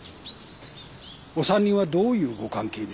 お３人はどういうご関係ですか？